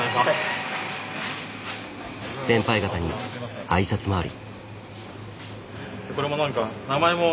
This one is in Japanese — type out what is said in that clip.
先輩方に挨拶回り。